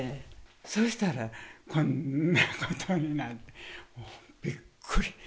そしたらこんなことになって、もうびっくり。